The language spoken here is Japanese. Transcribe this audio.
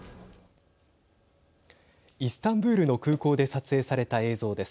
イスタンブールの空港で撮影された映像です。